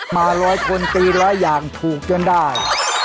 มาร้อยคนตีร้อยอย่างถูกจนได้